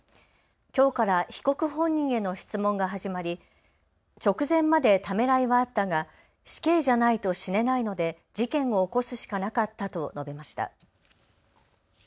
きょうから被告本人への質問が始まり直前までためらいはあったが死刑じゃないと死ねないので事件を起こすしかなかったと述べました。